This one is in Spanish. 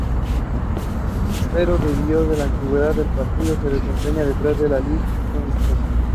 Pero debido a la antigüedad del partido, se desempeña detrás de Li Changchun.